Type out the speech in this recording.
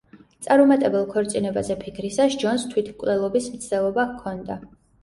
წარუმატებელ ქორწინებაზე ფიქრისას ჯონს თვითმკვლელობის მცდელობა ჰქონდა.